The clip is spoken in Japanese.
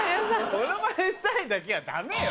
モノマネしたいだけはダメよ。